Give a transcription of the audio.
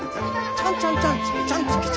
「チャンチャンチャンツクチャンツクツ」。